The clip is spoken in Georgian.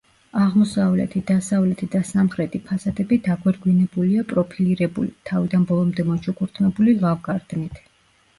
აღმოსავლეთი, დასავლეთი და სამხრეთი ფასადები დაგვირგვინებულია პროფილირებული, თავიდან ბოლომდე მოჩუქურთმებული ლავგარდნით.